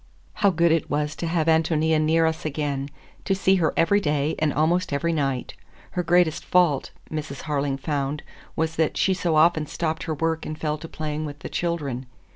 How good it was to have Ántonia near us again; to see her every day and almost every night! Her greatest fault, Mrs. Harling found, was that she so often stopped her work and fell to playing with the children.